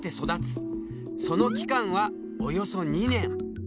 その期間はおよそ２年。